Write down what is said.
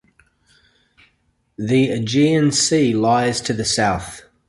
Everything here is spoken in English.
The Aegean Sea lies to the south.